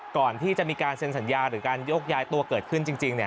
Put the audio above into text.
ก่อนที่จะมีการเซ็นสัญญาหรือการยกย้ายตัวเกิดขึ้นจริง